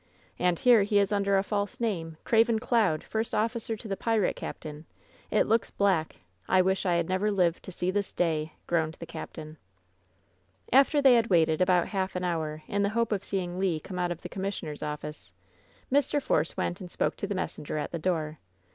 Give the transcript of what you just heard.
And here he is under a false name — Craven Cloud, first officer to the pirate captain! It looks black! I wish I had never lived to see this day!" groaned the captain. After they had waited about half an hour in the hope of seeing Le come out of the commissioner's office, Mr. Force went and spoke to the messenger at the door.